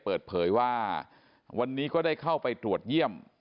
เปิดเผยว่าวันนี้ก็ได้เข้าไปตรวจเยี่ยม